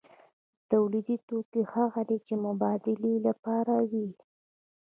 د تولید توکي هغه دي چې د مبادلې لپاره وي.